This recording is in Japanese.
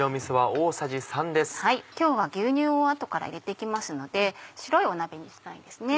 今日は牛乳を後から入れて行きますので白い鍋にしたいんですね。